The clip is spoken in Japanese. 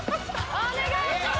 お願いします！